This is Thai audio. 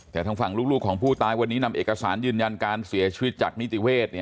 แต่ทางฝั่งลูกของผู้ตายวันนี้นำเอกสารยืนยันการเสียชีวิตจากนิติเวศ